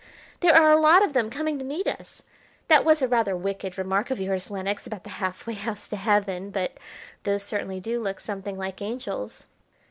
there are a lot of them coming to meet us. That was a rather wicked remark of yours, Lenox, about the half way house to heaven; but those certainly do look something like angels."